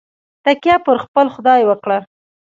تکیه پر خپل خدای وکړه.